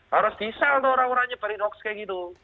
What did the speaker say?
harus di sell tuh orang orangnya beri hoax kayak gitu